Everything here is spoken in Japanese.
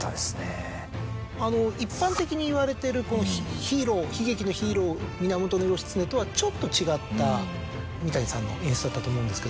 一般的にいわれてるヒーロー悲劇のヒーロー源義経とはちょっと違った三谷さんの演出だったと思うんですけど。